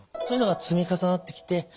そういうのが積み重なってきて。